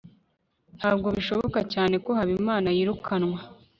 ntabwo bishoboka cyane ko habimana yirukanwa